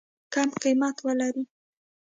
کم قیمت ولري.